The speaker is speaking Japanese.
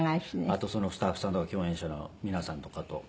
あとそのスタッフさんとか共演者の皆さんとかと。